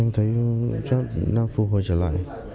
em thấy chắc đang phù hợp trở lại